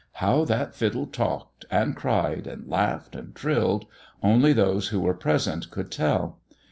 How that fiddle talked, and cried and laughed, and trilled, only those who were present couh tell.